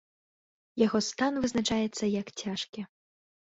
Яго стан вызначаецца як цяжкі.